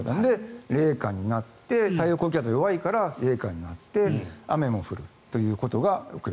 冷夏になって太平洋高気圧が弱いから冷夏になって雨も降るということが起きる。